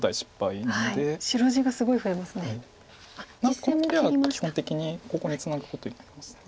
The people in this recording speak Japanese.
なのでこの手は基本的にここにツナぐことになります。